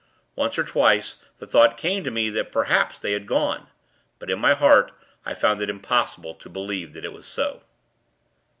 Once or twice, the thought came to me, that, perhaps, they had gone; but, in my heart, I found it impossible to believe that it was so.